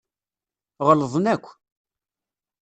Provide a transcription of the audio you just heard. Ɣelḍen akk.